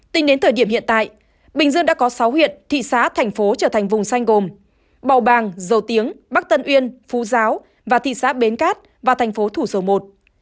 tính đến thời điểm hiện tại bình dương đã có sáu huyện thị xã thành phố trở thành vùng xanh gồm bầu bàng dầu tiếng bắc tân uyên phú giáo và thị xã bến cát và thành phố thủ dầu một